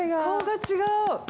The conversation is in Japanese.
顔が違う。